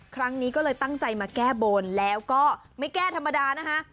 ครั้งนี้ก็เลยตั้งใจมาแก้บนแล้วก็ไม่แก้ธรรมดานะคะ